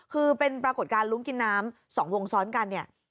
คือเป็นปรากฏการณ์ลุ้งกินน้ำ๒วงซ้อนกันเนี่ย